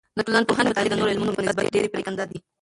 د ټولنپوهنې مطالعې د نورو علمونو په نسبت ډیر پریکنده دی.